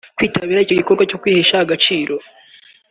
kwitabira icyo gikorwa cyo kwihesha agaciro